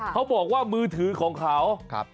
เขาบอกว่ามือถือของเขา